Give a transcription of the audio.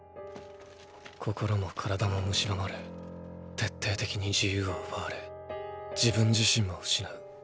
心も体も蝕まれ徹底的に自由は奪われ自分自身も失う。